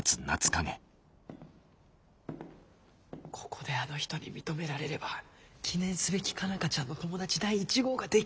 ここであの人に認められれば記念すべき佳奈花ちゃんの友達第一号ができるじゃねえか。